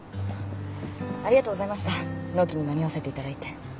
ありがとうございました納期に間に合わせていただいて。